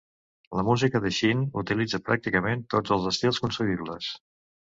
La música de Shin utilitza pràcticament tots els estils concebibles.